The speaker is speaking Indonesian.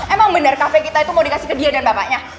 emang bener kafe kita itu mau dikasih ke dia dan bapaknya